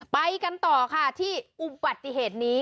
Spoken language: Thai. ไปกันต่อค่ะที่อุบัติเหตุนี้